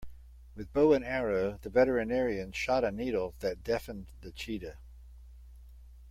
With bow and arrow the veterinarian shot a needle that deafened the cheetah.